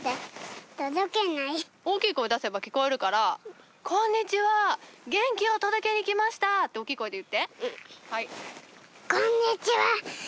大きい声出せば聞こえるから「こんにちは！元気を届けに来ました！」って大っきい声で言ってはい。